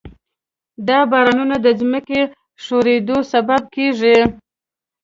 دا بارانونه د ځمکې ښویېدو سبب کېږي.